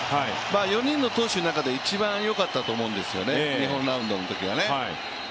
４人の投手の中で一番良かったと思うんですね日本ラウンドのときはね。